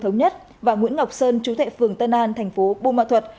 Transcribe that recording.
thống nhất và nguyễn ngọc sơn chú tệ phương tân an thành phố bù ma thuật